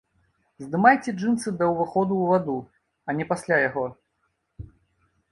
Здымайце джынсы да ўваходу ў ваду, а не пасля яго.